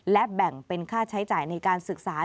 และแบ่งเป็นค่าใช้จ่ายในการศึกษา